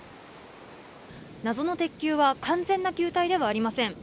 謎の鉄球は完全な球体ではありません。